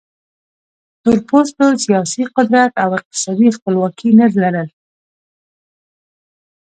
تور پوستو سیاسي قدرت او اقتصادي خپلواکي نه لرل.